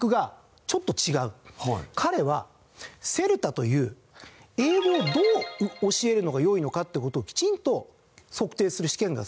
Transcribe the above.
彼はＣＥＬＴＡという英語をどう教えるのが良いのかっていう事をきちんと測定する試験が世界であるんですよ。